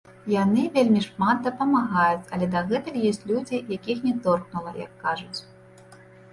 Яны вельмі шмат дапамагаюць, але дагэтуль ёсць людзі, якіх не торкнула, як кажуць.